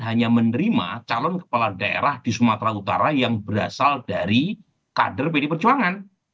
hanya menerima calon kepala daerah di sumatera utara yang berasal dari kader pdi perjuangan